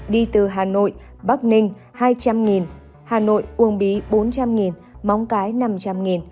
đi từ hà nội bắc ninh hai trăm linh hà nội uông bí bốn trăm linh móng cái năm trăm linh